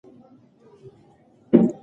ماشوم په بې باکۍ سره د انا جاینماز ته لاس کړ.